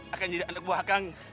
akan jadi anak buah kang